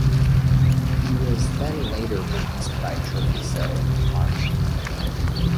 He was then later released by Treviso in March.